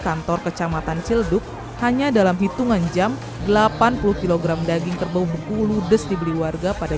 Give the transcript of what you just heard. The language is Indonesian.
kantor kecamatan cilduk hanya dalam hitungan jam delapan puluh kg daging kerbau bengku ludes dibeli warga pada